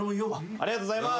ありがとうございます。